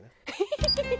ハハハハ！